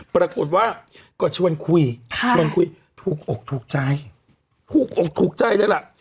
ปรากฏว่าก็ชวนคุยชวนคุยถูกอกถูกใจถูกอกถูกใจเลยล่ะ